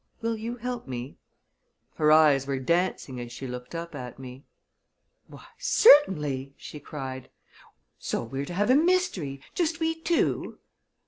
Will you help me?" Her eyes were dancing as she looked up at me. "Why, certainly!" she cried. "So we're to have a mystery just we two!"